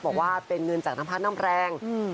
บอกว่าเป็นเงินจากน้ำพัดน้ำแรง